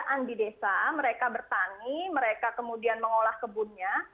mereka memiliki pekerjaan di desa mereka bertani mereka kemudian mengolah kebunnya